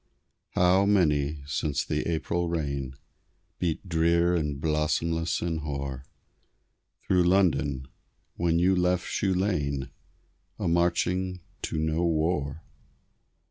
How many, since the April rain Beat drear and blossomless and hoar Through London, when you left Shoe Lane, A marching to no war!